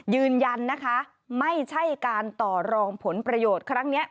ยืนยันนะคะไม่ใช่การต่อรองผลประโยชน์ครั้งนี้